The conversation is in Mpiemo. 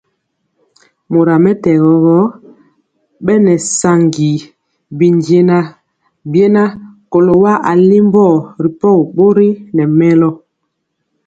Mora mɛtɛgɔ gɔ, bɛna saŋgi bijɛna biena kɔlo wa alimbɔ ripɔgi bori nɛ mɛlɔ.